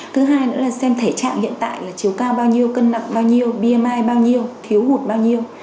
thứ hai nữa là xem thể trạng hiện tại là chiều cao bao nhiêu cân nặng bao nhiêu bi bao nhiêu thiếu hụt bao nhiêu